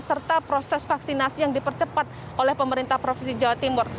serta proses vaksinasi yang dipercepat oleh pemerintah provinsi jawa timur